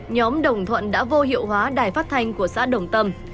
nhóm đồng thuận đã vô hiệu hóa đài phát thanh của xã đồng tâm